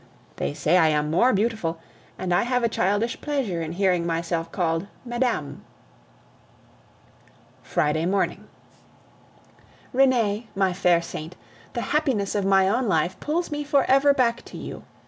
They say I am more beautiful, and I have a childish pleasure in hearing myself called "Madame." Friday morning. Renee, my fair saint, the happiness of my own life pulls me for ever back to you.